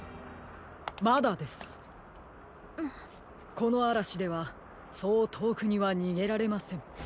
このあらしではそうとおくにはにげられません。